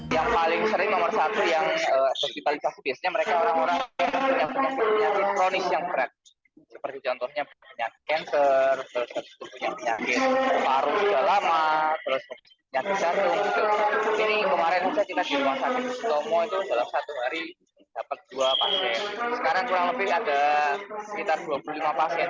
di sotomo itu dalam satu hari dapat dua pasien sekarang kurang lebih ada sekitar dua puluh lima pasien